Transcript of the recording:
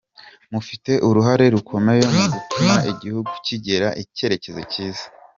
Mufite uruhare rukomeye mu gutuma igihugu kigira icyerekezo cyiza.